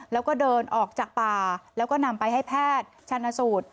แล้วก็เดินออกจากป่าแล้วก็นำไปให้แพทย์ชันสูตร